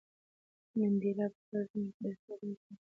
منډېلا په خپل ژوند کې ډېرې سړې او تودې لیدلې وې.